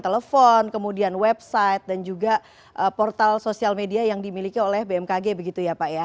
telepon kemudian website dan juga portal sosial media yang dimiliki oleh bmkg begitu ya pak ya